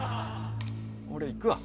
俺いくわ。